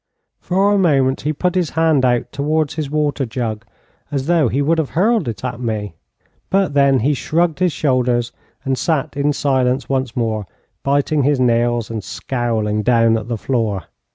For a moment he put his hand out towards his water jug, as though he would have hurled it at me, but then he shrugged his shoulders and sat in silence once more, biting his nails, and scowling down at the floor.